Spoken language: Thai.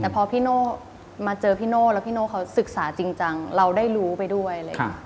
พอพี่โน่มาเจอพี่โน่แล้วพี่โน่เขาศึกษาจริงจังเราได้รู้ไปด้วยเลยค่ะ